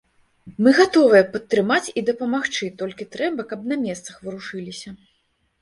Мы гатовыя падтрымаць і дапамагчы, толькі трэба, каб на месцах варушыліся.